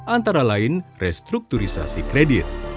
antara lain restrukturisasi kredit